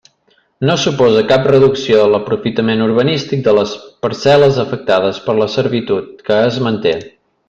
No suposa cap reducció de l'aprofitament urbanístic de les parcel·les afectades per la servitud, que es manté.